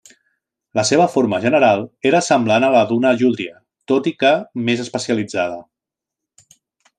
La seva forma general era semblant a la d'una llúdria, tot i que més especialitzada.